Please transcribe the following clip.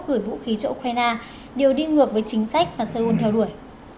gửi vũ khí cho ukraine đều đi ngược với chính sách mà seoul theo đuổi